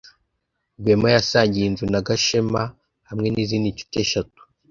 Rwema yasangiye inzu na Gashema hamwe nizindi nshuti eshatu.